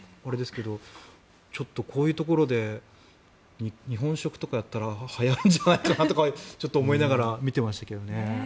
ちょっとこういうところで日本食とかやったらはやるんじゃないかなとかちょっと思いながら見てましたけどね。